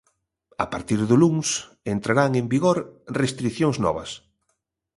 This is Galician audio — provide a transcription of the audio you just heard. A partir do luns, entrarán en vigor restricións novas.